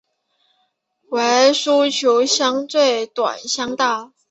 为琉球乡最短乡道。